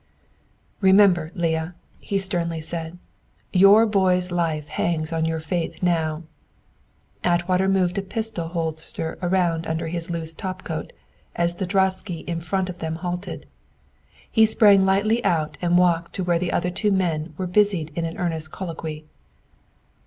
"Remember, Leah," he sternly said, "your boy's life hangs on your faith now." Atwater moved a heavy pistol holster around under his loose top coat, as the droschky in front of them halted. He sprang lightly out and walked to where the two other men were busied in an earnest colloquy.